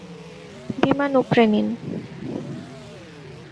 বিমান উপরে নিন!